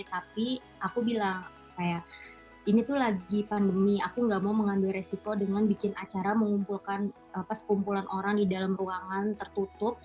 tapi aku bilang kayak ini tuh lagi pandemi aku gak mau mengambil resiko dengan bikin acara mengumpulkan sekumpulan orang di dalam ruangan tertutup